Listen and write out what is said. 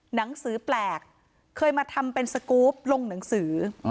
หนังสือแปลกเคยมาทำเป็นสกรูปลงหนังสือ